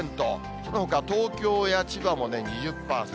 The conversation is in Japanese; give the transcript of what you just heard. そのほか東京や千葉もね、２０％。